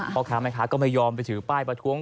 พ่อค้าแม่ค้าก็ไม่ยอมไปถือป้ายประท้วง